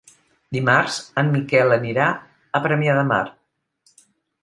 Dimarts en Miquel anirà a Premià de Mar.